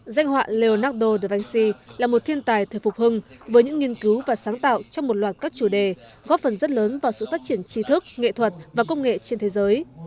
danh họa leonardo da vinci là một thiên tài thể phục hưng với những nghiên cứu và sáng tạo trong một loạt các chủ đề góp phần rất lớn vào sự phát triển trí thức nghệ thuật và công nghệ trên thế giới